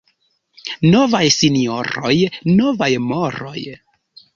Novaj sinjoroj, — novaj moroj.